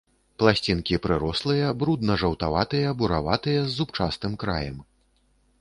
Пласцінкі прырослыя, брудна-жаўтаватыя, бураватыя, з зубчастым краем.